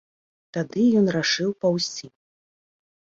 Тады ён рашыў паўзці.